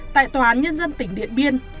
tại tòa án nhân dân tỉnh điện biên